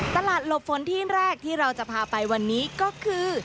หลบฝนที่แรกที่เราจะพาไปวันนี้ก็คือ